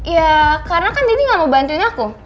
ya karena kan denny gak mau bantuin aku